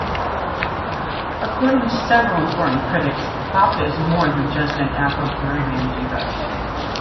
According to several important critics Baca is more than just an Afro-Peruvian diva.